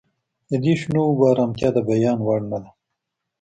د دې شنو اوبو ارامتیا د بیان وړ نه ده